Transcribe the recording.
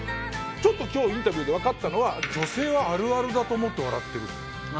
ちょっと今日インタビューでわかったのは女性はあるあるだと思って笑ってる。